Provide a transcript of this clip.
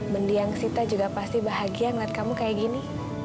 mendiang sita juga pasti bahagia melihat kamu kayak gini